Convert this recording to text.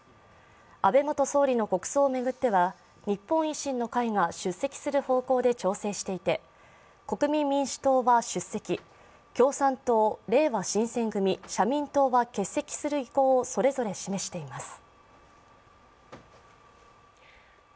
安倍元総理の国葬を巡っては日本維新の会が出席する方向で調整していて、国民民主党は出席、共産党、れいわ新選組、社民党は欠席する意向をそれぞれ示しています。